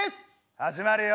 始まるよ。